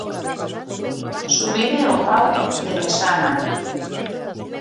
Subide o pau de mesana.